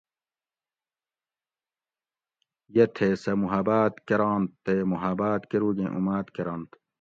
یہ تھے سہ محبات کرانت تے محباۤت کروگیں اُماد کرنت